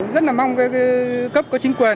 rất là mong cấp có chính quyền